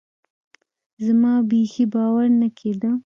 زما بيخي باور نه کېده.